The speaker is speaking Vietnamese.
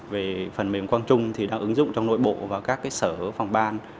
về phần mềm quang trung thì đang ứng dụng trong nội bộ và các sở phòng ban